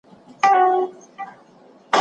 د ژوند ټولنیزو اړخونو ته پاملرنه وکړئ.